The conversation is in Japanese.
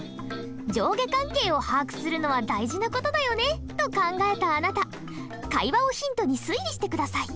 上下関係を把握するのは大事な事だよねと考えたあなた会話をヒントに推理して下さい。